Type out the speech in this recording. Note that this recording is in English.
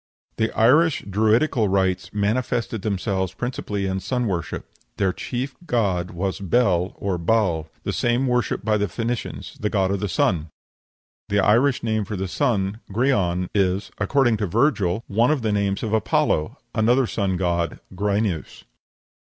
The Irish Druidical rites manifested themselves principally in sun worship. Their chief god was Bel or Baal the same worshipped by the Phoenicians the god of the sun. The Irish name for the sun, Grian, is, according to Virgil, one of the names of Apollo another sun god, Gryneus.